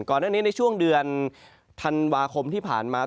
ก่อนหน้านี้ในช่วงเดือนธันวาคมที่ผ่านมา